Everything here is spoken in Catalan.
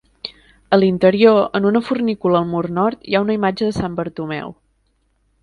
A l'interior, en una fornícula al mur nord, hi ha una imatge de Sant Bartomeu.